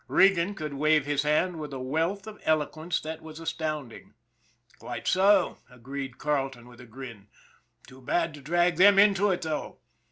Regan could wave his hand with a wealth of eloquence that was astounding. " Quite so," agreed Carleton, with a grin. " Too bad to drag them into it, though.